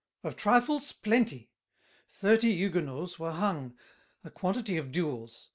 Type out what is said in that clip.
Of trifles, plenty—thirty Huguenots Were hung; a quantity of duels.